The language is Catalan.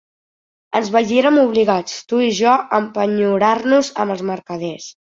Ens veiérem obligats, tu i jo, a empenyorar-nos amb els mercaders.